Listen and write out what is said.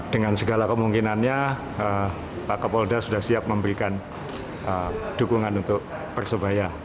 dengan segala kemungkinannya pak kapolda sudah siap memberikan dukungan untuk persebaya